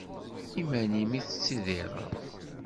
Iman-im i tettidireḍ?